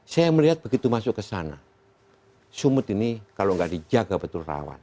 saya melihat begitu masuk ke sana sumut ini kalau nggak dijaga betul rawan